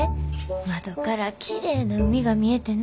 窓からきれいな海が見えてな。